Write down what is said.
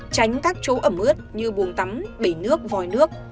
tránh các chỗ ẩm ướt như buồng tắm bể nước vòi nước